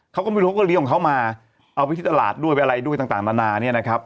เขาก็ไม่รู้เขาก็เลี้ยของเขามาเอาไปที่ตลาดด้วยอะไรด้วยต่างนานาเนี่ยนะครับ